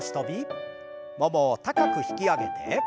ももを高く引き上げて。